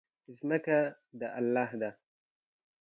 ځمکه د الله ده.